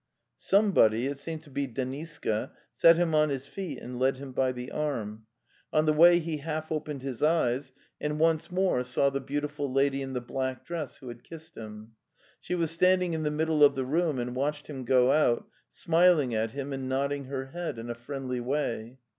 Somebody, it seemed to be Deniska, set him on his feet and led him by the arm. On the way he The Steppe 207 half opened his eyes and once more saw the beautiful lady in the black dress who had kissed him. She was standing in the middle of the room and watched him go out, smiling at him and nodding her head ina friendly way.